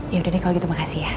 ya udah deh kalau gitu makasih ya